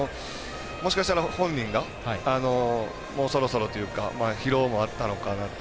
もしかしたら本人がもうそろそろというか疲労もあったのかなと。